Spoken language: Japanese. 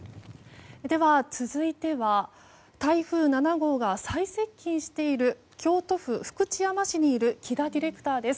では、続いては台風７号が最接近している京都府福知山市にいる木田ディレクターです。